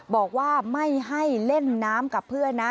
บอกว่าไม่ให้เล่นน้ำกับเพื่อนนะ